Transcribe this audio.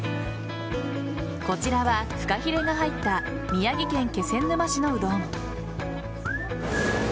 こちらはフカヒレが入った宮城県気仙沼市のうどん。